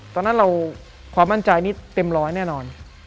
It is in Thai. ตอนนั้นเราความมั่นใจนี้เต็มร้อยแน่นอน